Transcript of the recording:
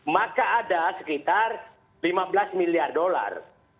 maka ada sekitar lima belas miliar dolar